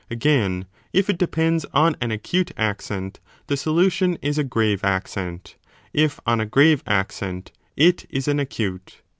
Again, if it depends on an acute accent, the solution is a grave 15 accent ; if on a grave accent, it is an acute.